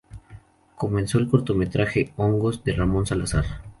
Comenzó en el cortometraje, "Hongos", de Ramón Salazar.